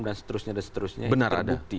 dan seterusnya itu terbukti